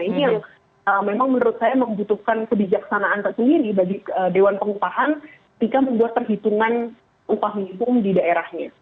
ini yang memang menurut saya membutuhkan kebijaksanaan tersendiri bagi dewan pengupahan ketika membuat perhitungan upah minimum di daerahnya